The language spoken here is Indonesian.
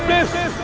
hei lebih hidup